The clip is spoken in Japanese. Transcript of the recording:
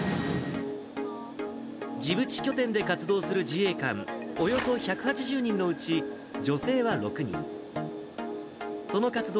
ジブチ拠点で活動する自衛官およそ１８０人のうち、女性は６人。